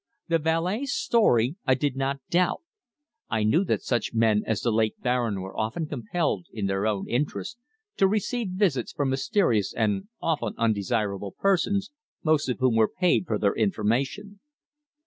The valet's story I did not doubt. I knew that such men as the late Baron were often compelled, in their own interests, to receive visits from mysterious and often undesirable persons, most of whom were paid for their information.